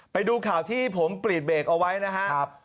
ไปดูข่าวที่ผมปลีดเบรกเอาไว้นะครับ